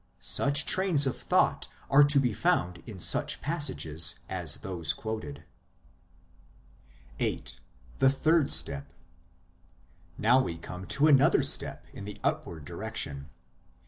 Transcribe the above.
Such trains of thought are to be found in such passages as those quoted. VIII. THE THIRD STEP Now we come to another step in the upward direction.